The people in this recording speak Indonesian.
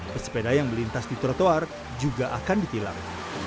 pesepeda yang melintas di trotoar juga akan ditilang